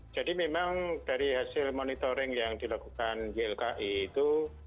memang dari hasil monitoring yang dilakukan ylki itu